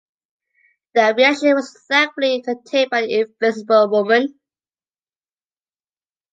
The reaction was thankfully contained by the Invisible Woman.